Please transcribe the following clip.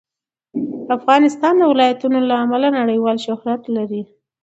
افغانستان د ولایتونو له امله نړیوال شهرت لري.